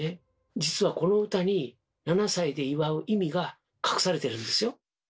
実はこの歌に７歳で祝う意味が隠されてるんですよ。